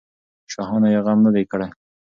شاهانو یې غم نه دی کړی.